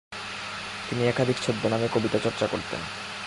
তিনি একাধিক ছদ্মনামে কবিতা চর্চা করতেন।